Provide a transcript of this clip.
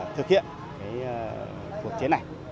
thực hiện cuộc chiến này